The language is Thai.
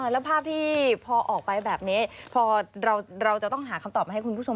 แล้วภาพที่พอออกไปแบบนี้พอเราจะต้องหาคำตอบมาให้คุณผู้ชม